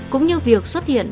cũng như việc xuất hiện